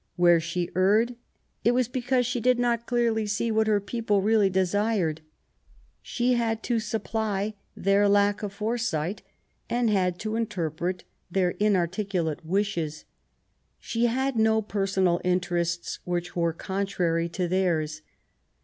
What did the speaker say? Where she erred, it was because she did not clearly see what her people really desired. She had to supply their lack of foresight, and had to interpret their inarticulate wishes. She had no personal interests which were contrary to theirs.